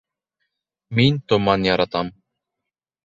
Мин томан яратам